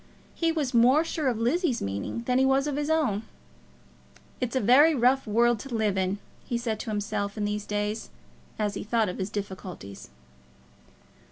He was more sure of Lizzie's meaning than he was of his own. "It's a very rough world to live in," he said to himself in these days as he thought of his difficulties.